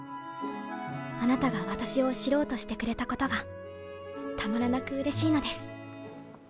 あなたが私を知ろうとしてくれたことがたまらなくうれしいのです。